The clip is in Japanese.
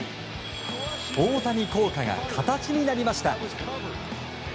大谷効果が形になりました。